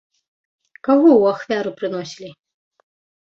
Каго ў ахвяру прыносілі?